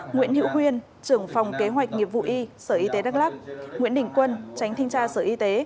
nguyễn hiệu huyền trưởng phòng kế hoạch nghiệp vụ y sở y tế đắk lắc nguyễn đỉnh quân tránh thinh tra sở y tế